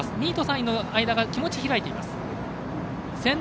２位と３位の間が気持ち開いています。